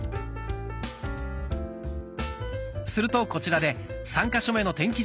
するとこちらで３か所目の天気